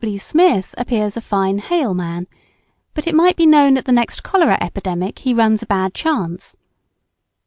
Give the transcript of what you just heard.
W. Smith appears a fine hale man, but it might be known that the next cholera epidemic he runs a bad chance.